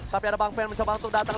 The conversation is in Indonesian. tapi ada bang fer mencoba untuk datang